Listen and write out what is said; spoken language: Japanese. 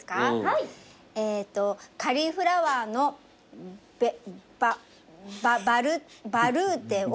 えーとカリフラワーのベババルーテを。